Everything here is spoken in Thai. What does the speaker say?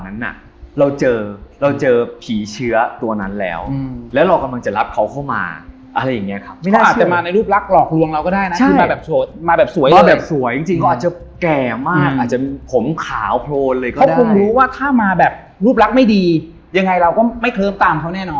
แต่เราเจอแม่เขาอะ